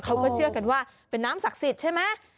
เขาก็เชื่อกันว่าเป็นน้ำศักดิ์สิทธิ์ใช่ไหม